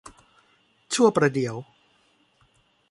ชั่วประเดี๋ยว